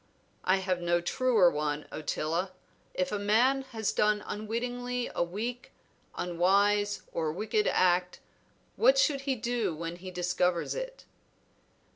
"I have no truer one. Ottila, if a man has done unwittingly a weak, unwise, or wicked act, what should he do when he discovers it?"